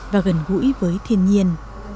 và gần gũi với thiên nhiên